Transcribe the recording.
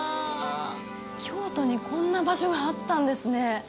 京都にこんな場所があったんですね